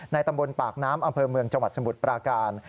ตำบลปากน้ำอำเภอเมืองจังหวัดสมุทรปราการ